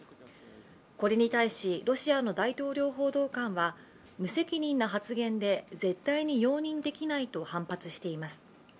これに対し、ロシアの大統領報道官は無責任な発言で絶対に容認できないと反発しています。